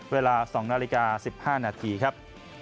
เวลา๒นาฬิกา๑๕นาทีครับ